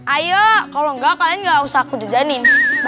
ayo kalau enggak kalian gak usah aku dedanin